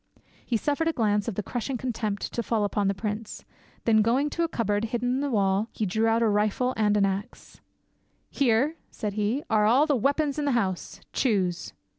He suffered a glance of crushing contempt to fall upon the prince, then going to a cupboard hidden in the wall, he drew out a rifle and an axe. "Here," said he, "are all the weapons in the house; choose."